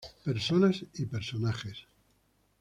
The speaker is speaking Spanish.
Personas y personajes.